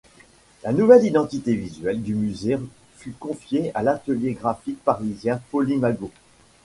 La nouvelle identité visuelle du musée fut confiée à l'atelier graphique parisien Polymago.